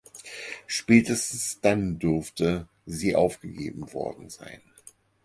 Spätestens dann dürfte sie aufgegeben worden sein.